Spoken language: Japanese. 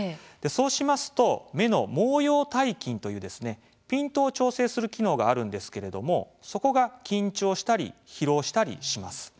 そうしますと目の毛様体筋という、ピントを調整する機能があるんですがそこが、緊張したり疲労したりします。